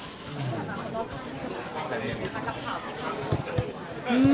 ใครจะอยู่เงียบ